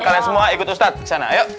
kalian semua ikut ustadz kesana ayo